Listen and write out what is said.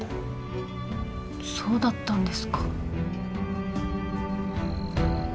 そうだったんですか。